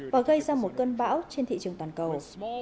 và gây ra một cơn bão trên thị trường toàn cầu